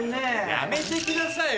やめてくださいよ